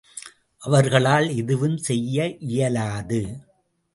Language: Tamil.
அவர்களால் எதுவுஞ் செய்ய இயலாது.